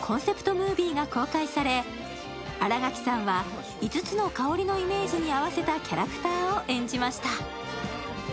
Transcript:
ムービーが公開され新垣さんは５つの香りのイメージに合わせたキャラクターを演じました。